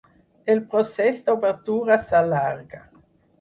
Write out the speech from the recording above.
El procés d'obertura s'allarga.